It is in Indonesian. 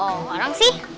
gak ada orang sih